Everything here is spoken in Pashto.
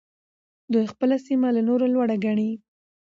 دوی خپله سيمه له نورو لوړه ګڼي.